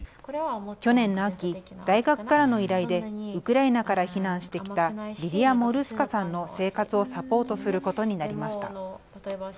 去年の秋、大学からの依頼でウクライナから避難してきたリリア・モルスカさんの生活をサポートすることになりました。